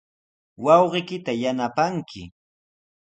Wawqiykita yanapanki.